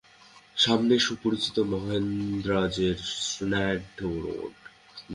সামনে সুপরিচিত মান্দ্রাজের Strand road.